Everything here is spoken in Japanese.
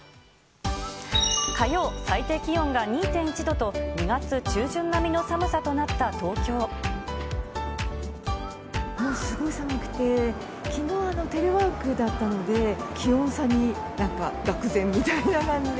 火曜、最低気温が２．１度と、もうすごい寒くて、きのうテレワークだったので、気温差になんかがく然みたいな感じで。